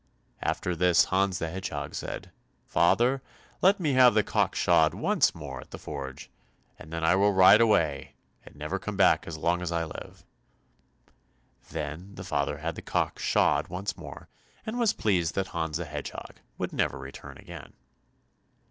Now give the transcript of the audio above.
After this Hans the Hedgehog said, "Father, let me have the cock shod once more at the forge, and then I will ride away and never come back as long as I live." Then the father had the cock shod once more, and was pleased that Hans the Hedgehog would never return again.